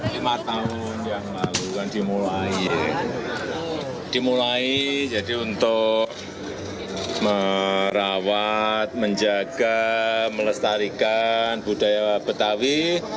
lima tahun yang lalu kan dimulai jadi untuk merawat menjaga melestarikan budaya betawi